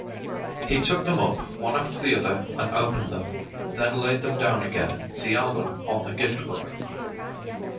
He took them up one after the other and opened them; then laid them down again, the album on the Gift Book.